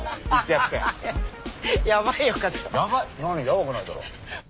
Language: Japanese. やばくないだろ。